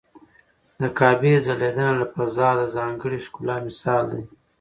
د کعبې ځلېدنه له فضا د ځانګړي ښکلا مثال دی.